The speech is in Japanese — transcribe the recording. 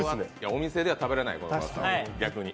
お店では食べれない、逆に。